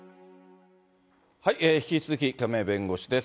引き続き、亀井弁護士です。